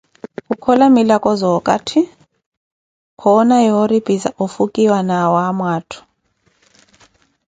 Kukhola milako za okatti, koona yoori pi za ofukiwa na awaamo atthu.